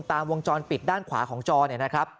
วงจรปิดด้านขวาของจอเนี่ยนะครับ